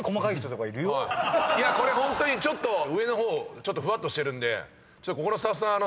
これホントに上の方ちょっとふわっとしてるんで。